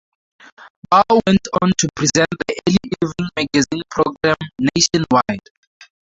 Bough went on to present the early evening magazine programme "Nationwide".